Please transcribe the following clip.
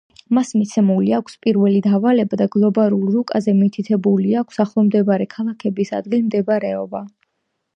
მას მიცემული აქვს პირველი დავალება და გლობალურ რუკაზე მითითებული აქვს ახლომდებარე ქალაქების ადგილმდებარეობა.